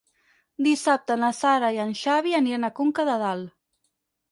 Dissabte na Sara i en Xavi aniran a Conca de Dalt.